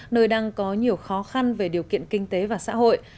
nơi đang có nhiều khó khăn về điều kiện kinh tế và xã hội